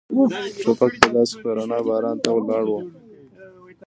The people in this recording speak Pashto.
ټوپک په لاس په رڼا کې باران ته ولاړ و.